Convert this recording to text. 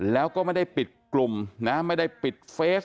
แล้วก็ไม่ได้ปิดกลุ่มนะไม่ได้ปิดเฟส